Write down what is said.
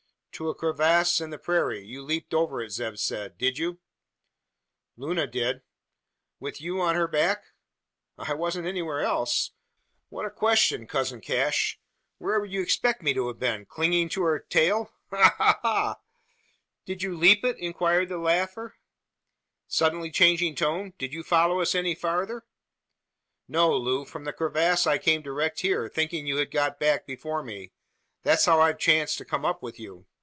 "To a crevasse in the prairie. You leaped over it, Zeb said. Did you?" "Luna did." "With you on her back?" "I wasn't anywhere else! What a question, cousin Cash! Where would you expect me to have been? Clinging to her tail? Ha! ha! ha!" "Did you leap it?" inquired the laugher, suddenly changing tone. "Did you follow us any farther?" "No, Loo. From the crevasse I came direct here, thinking you had got back before me. That's how I've chanced to come up with you."